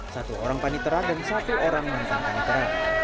satu orang panitera dan satu orang mantan panitera